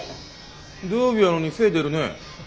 土曜日やのに精出るね。